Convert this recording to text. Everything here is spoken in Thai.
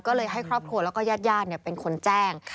ก็เลยให้ครอบครัวแล้วก็ญาติญาติเป็นคนแจ้ง